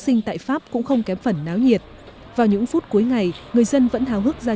sinh tại pháp cũng không kém phần náo nhiệt vào những phút cuối ngày người dân vẫn hào hức ra